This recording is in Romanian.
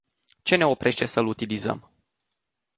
Ce ne oprește să îl utilizăm?